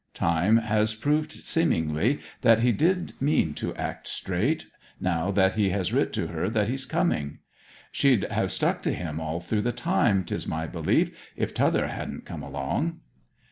Time has proved seemingly that he did mean to act straight, now that he has writ to her that he's coming. She'd have stuck to him all through the time, 'tis my belief; if t'other hadn't come along.'